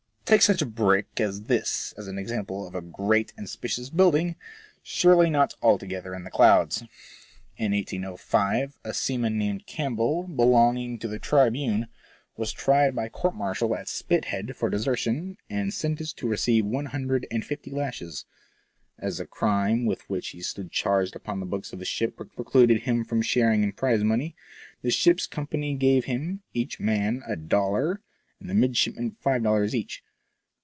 Take such a brick as this as an example of a great and spacious building, surely not altogether in the clouds. In 1805 a seaman named Campbell, belonging to the Tribune, was tried by court martial at Spithead for desertion, and sentenced to receive one hundred and fifty lashes. As the crime with which he stood charged upon the books of the ship precluded him from sharing in prize money, the ship's company gave him, each man a dollar and the midshipmen five dollars each.